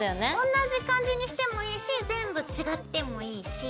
同じ感じにしてもいいし全部違ってもいいし好きなように。